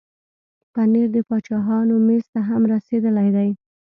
پنېر د باچاهانو مېز ته هم رسېدلی دی.